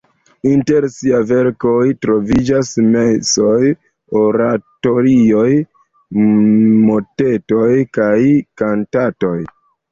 Inter siaj verkoj troviĝas mesoj, oratorioj, motetoj kaj kantatoj.